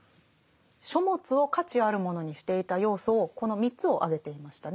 「書物を価値あるものにしていた要素」をこの３つを挙げていましたね。